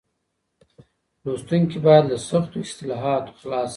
لوستونکي بايد له سختو اصطلاحاتو خلاص شي.